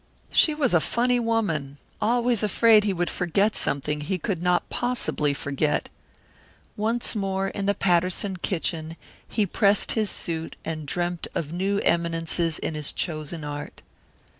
She was a funny woman; always afraid he would forget something he could not possibly forget. Once more in the Patterson kitchen he pressed his suit and dreamt of new eminences in his chosen art.